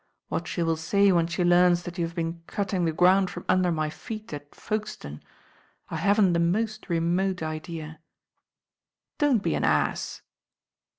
What she will say when she learns that you have been cutting the ground from under my feet at Folkestone, I haven't the most remote idea." "Don't be an ass."